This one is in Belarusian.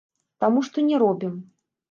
Таму што не робім.